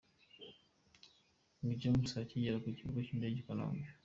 King James akigera ku kibuga cy'indege i Kanombe.